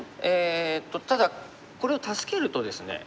ただこれを助けるとですね